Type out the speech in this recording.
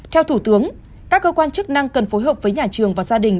theo thủ tướng các cơ quan chức năng cần phối hợp với nhà trường và gia đình